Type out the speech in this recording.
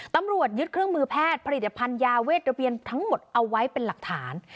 ตำรวจยึดเครื่องมือแพทย์ผลิตภัณฑ์ยาเวทระเบียนทั้งหมดเอาไว้เป็นหลักฐาน